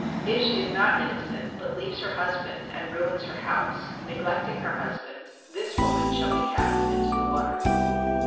If she is not innocent, but leaves her husband, and ruins her house, neglecting her husband, this woman shall be cast into the water.